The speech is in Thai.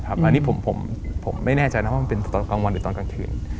อันนี้ผมไม่แน่ใจนะว่ามันเป็นตอนกลางวันหรือตอนกลางคืน